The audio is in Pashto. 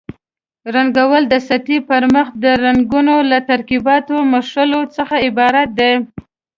رنګول د سطحې پر مخ د رنګونو له ترکیباتو مښلو څخه عبارت دي.